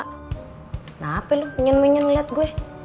kenapa lo penyen penyen ngeliat gue